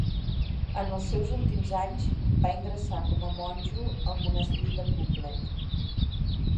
En els seus últims anys, va ingressar com a monjo al Monestir de Poblet.